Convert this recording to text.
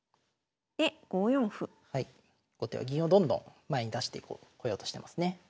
後手は銀をどんどん前に出していこうこようとしてますね。